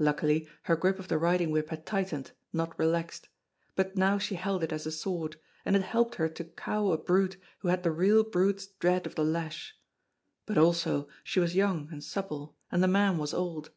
Luckily her grip of the riding whip had tightened, not relaxed; but now she held it as a sword; and it helped her to cow a brute who had the real brute's dread of the lash. But also she was young and supple, and the man was old.